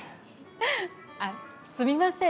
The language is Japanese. あっすみません。